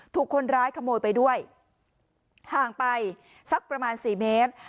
ถูกคนร้ายขโมยไปด้วยห่างไปสักประมาณสี่เมตร